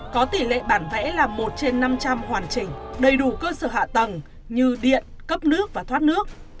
có tỷ lệ bản vẽ là một trên năm trăm linh hoàn chỉnh đầy đủ cơ sở hạ tầng như điện cấp nước và thoát nước